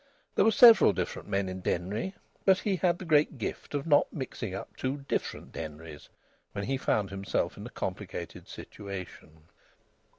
There were several different men in Denry, but he had the great gift of not mixing up two different Denrys when he found himself in a complicated situation.